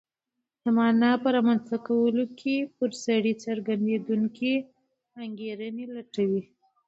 د مانا په رامنځته کولو کې پر سړي څرخېدونکې انګېرنې لټوي.